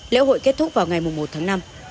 liễu hội kết thúc vào ngày một tháng năm